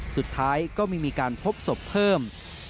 สุดท้ายก็ไม่มีการพบศพเพิ่ม